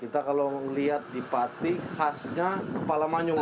kita kalau melihat di patik khasnya kepala manyung ya